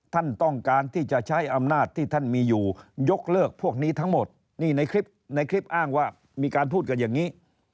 ท่านต้องการที่จะใช้อำนาจที่ท่านมีอยู่ยกเลิกพวกนี้ทั้งหมดนี่ในคลิปในคลิปอ้างว่ามีการพูดกันอย่างนี้